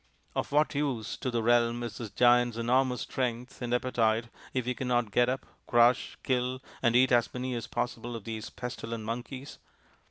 " Of what use to the realm is this Giant's enormous strength and appetite if he cannot get up, crush, kill, and eat as many as possible of these pestilent Monkeys